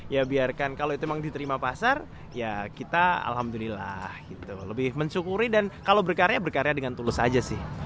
ya biarkan kalau itu memang diterima pasar ya kita alhamdulillah gitu loh lebih mensyukuri dan kalau berkarya berkarya dengan tulus aja sih